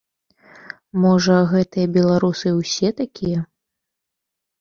Можа, гэтыя беларусы ўсе такія!